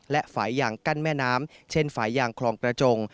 และฝ่ายยางกั้นแม่น้ำเช่นฝ่ายยางคลองกระจง